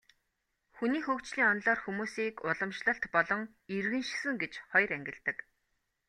Хүний хөгжлийн онолоор хүмүүсийг уламжлалт болон иргэншсэн гэж хоёр ангилдаг.